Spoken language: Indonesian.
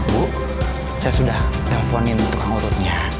bu saya sudah telponin tukang urutnya